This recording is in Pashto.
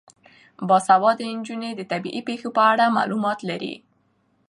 باسواده نجونې د طبیعي پیښو په اړه معلومات لري.